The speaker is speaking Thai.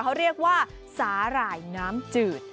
เขาเรียกว่าสาหร่ายน้ำจืด